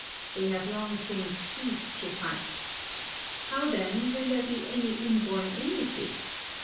They have long since ceased to fight. How, then, can there be any inborn enmity?